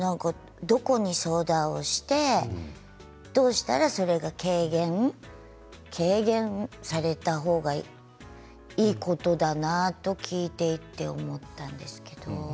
どこに相談をしてどうしたらそれが軽減された方がいいことだなと聞いてて思ったんですけど。